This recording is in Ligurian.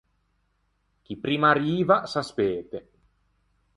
Chi primma arriva s’aspete.